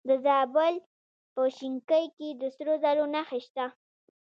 د زابل په شنکۍ کې د سرو زرو نښې شته.